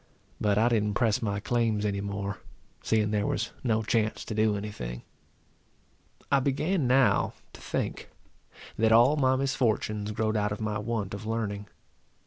But I didn't press my claims any more, seeing there was no chance to do any thing. I began now to think, that all my misfortunes growed out of my want of learning.